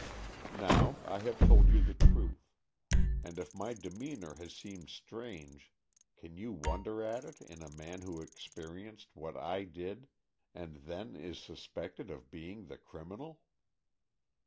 Now I have told you the truth, and if my demeanor has seemed strange, can you wonder at it in a man who experienced what I did, and then is suspected of being the criminal?"